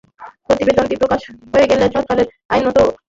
প্রতিবেদনটি প্রকাশ হয়ে গেলে সরকারের আইনানুগ কাজ ব্যাহত হওয়ার আশঙ্কা থাকে।